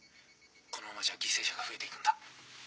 このままじゃ犠牲者が増えて行くんだ。